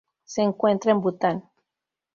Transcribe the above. Se encuentra en Bután.